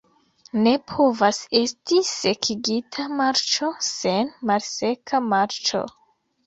Ne povas esti "sekigita marĉo" sen "malseka marĉo".